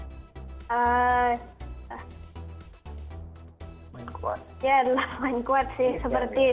ya adalah main kuat sih